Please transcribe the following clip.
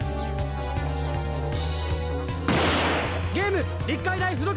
ゲーム立海大附属！